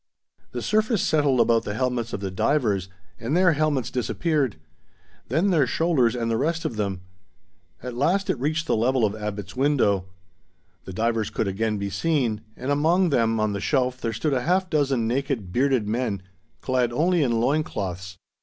The surface settled about the helmets of the divers, and their helmets disappeared; then their shoulders and the rest of them. At last it reached the level of Abbot's window. The divers could again be seen, and among then on the shelf there stood a half dozen naked bearded men, clad only in loin cloths.